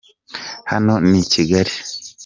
hano nikigali